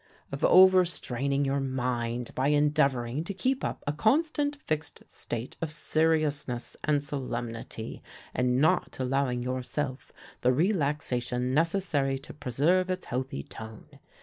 "Of overstraining your mind by endeavoring to keep up a constant, fixed state of seriousness and solemnity, and not allowing yourself the relaxation necessary to preserve its healthy tone.